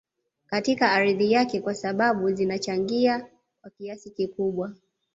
Katika ardhi yake kwa sababu zinachangia kwa kiasi kikubwa